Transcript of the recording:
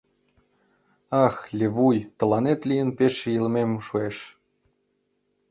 Ах, Левуй, тыланет лийын пеш илымем шуэш.